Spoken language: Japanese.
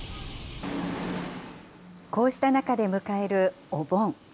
こうした中で迎えるお盆。